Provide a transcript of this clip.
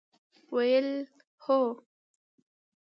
ویل: هو!